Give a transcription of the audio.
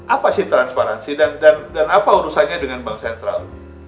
apa sih transparansi dan apa urusannya dengan bank sentral